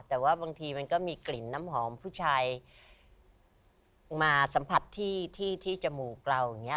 แต่ว่าบางทีมันก็มีกลิ่นน้ำหอมผู้ชายมาสัมผัสที่ที่จมูกเราอย่างนี้